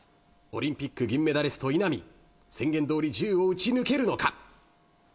オリンピック銀メダリスト稲見宣言どおり１０を打ち抜けるのか。